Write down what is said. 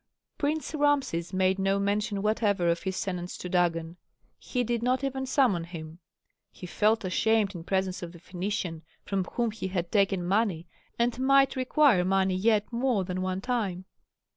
Prince Rameses made no mention whatever of his tenants to Dagon; he did not even summon him. He felt ashamed in presence of the Phœnician from whom he had taken money and might require money yet more than one time.